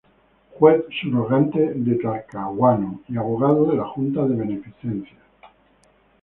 Juez subrogante de Talcahuano y abogado de la Junta de Beneficencia.